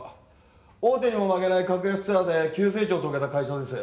大手にも負けない格安ツアーで急成長を遂げた会社です。